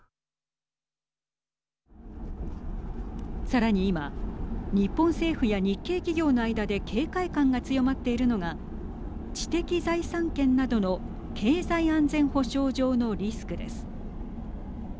さらに今日本政府や日系企業の間で警戒感が強まっているのが知的財産権などの経済安全保障上のリスクです。